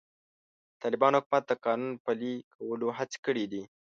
د طالبانو حکومت د قانون پلي کولو هڅې کړې دي.